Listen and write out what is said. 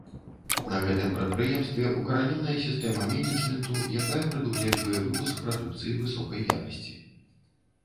На гэтым прадпрыемстве, укаранёная сістэма менеджменту, якая прадугледжвае выпуск прадукцыі высокай якасці.